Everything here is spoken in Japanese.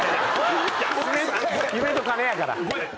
『夢と金』やから。